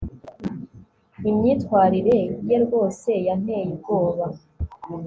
imyitwarire ye rwose yanteye ubwoba